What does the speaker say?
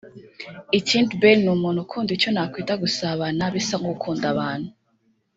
ikindi Ben ni umuntu ukunda icyo nakwita gusabana bisa nko gukunda abantu